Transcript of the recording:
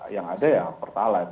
yang ada ya pertalaid